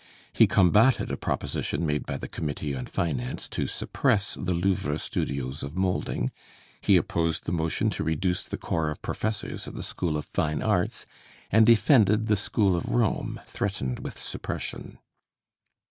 He combated a proposition made by the Committee on Finance to suppress the Louvre studios of molding; he opposed the motion to reduce the corps of professors at the School of Fine Arts, and defended the School of Rome, threatened with suppression.